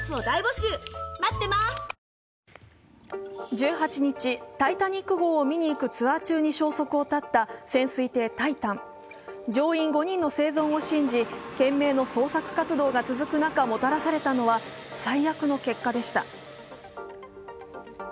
１８日、「タイタニック」号を見に行くツアー中に消息を絶った潜水艇「タイタン」。乗員５人の生存を信じ、懸命の捜索活動が続く中、もたらされたのは最悪の結果でした。